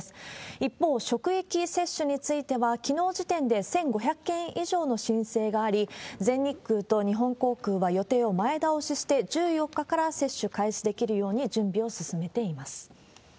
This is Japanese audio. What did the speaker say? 一方、職域接種については、きのう時点で１５００件以上の申請があり、全日空と日本航空は予定を前倒しして、１４日から接種開始できるように準備を進めています。